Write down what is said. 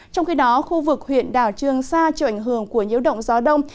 trong khi đó khu vực huyện đảo trường sa chịu ảnh hưởng của nhiễu động gió đông